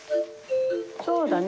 そうだね。